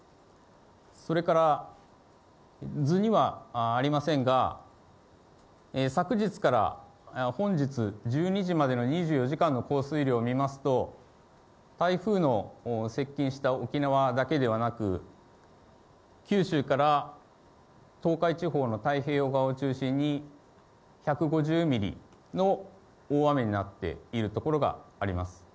それから図にはありませんが、昨日から本日１２時までの２４時間の降水量を見ますと、台風の接近した沖縄だけではなく、九州から東海地方の太平洋側を中心に、１５０ミリの大雨になっている所があります。